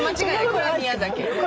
これは宮崎。